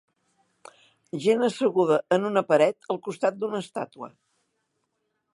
Gent asseguda en una paret al costat d'una estàtua.